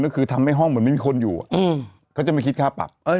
ก็คือทำให้ห้องเหมือนไม่มีคนอยู่เขาจะไม่คิดค่าปรับ